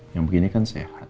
yang begini kan sehat